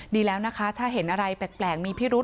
ดีแล้วนะคะถ้าเห็นอะไรแปลกมีพิรุธ